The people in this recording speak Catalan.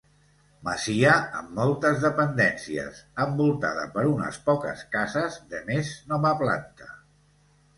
Masia amb moltes dependències, envoltada per unes poques cases de més nova planta.